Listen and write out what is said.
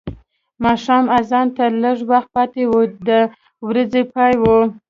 ماښام اذان ته لږ وخت پاتې و د ورځې پای و.